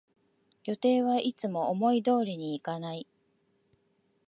予定はいつも思い通りにいかない